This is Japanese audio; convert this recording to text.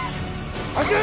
走れ！